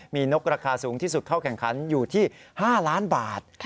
มีนกราคาสูงที่สุดเข้าแข่งขันอยู่ที่๕ล้านบาท